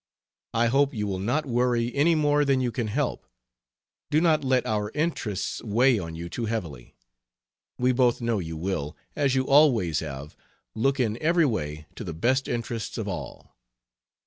I hope you will not worry any more than you can help. Do not let our interests weigh on you too heavily. We both know you will, as you always have, look in every way to the best interests of all.